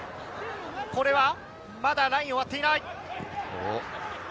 まだラインを割っていない。